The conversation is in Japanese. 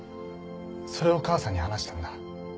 それを母さんに話したんだ。